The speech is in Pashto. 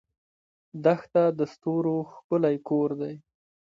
دښته د ستورو ښکلی کور دی.